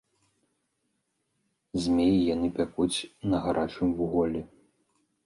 Змей яны пякуць на гарачым вуголлі.